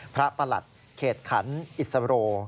พระประรัทธิ์เขศขันศ์อิสรโล